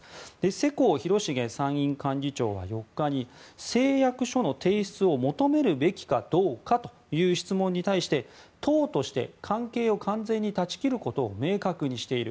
世耕弘成参院幹事長は４日に誓約書の提出を求めるべきかどうかという質問に対して党として関係を完全に断ち切ることを明確にしている。